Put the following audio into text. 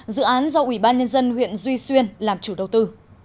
dự án do ủy ban nhân dân huyện duy xuyên làm chủ đầu tư